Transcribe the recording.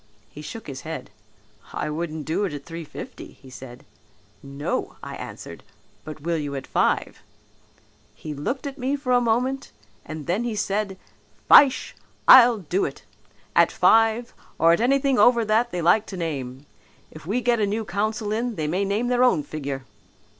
He shook his head, 'I wouldn't do it at three fifty,' he said. 'No,' I answered, 'but will you at five?' He looked at me for a moment and then he said, 'Fyshe, I'll do it; at five, or at anything over that they like to name. If we get a new council in they may name their own figure.'